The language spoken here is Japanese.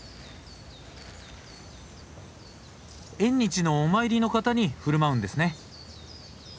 縁日のお参りの方に振る舞うんですね。